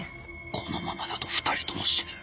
このままだと２人とも死ぬ。